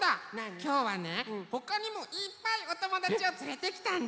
きょうはねほかにもいっぱいおともだちをつれてきたんだ。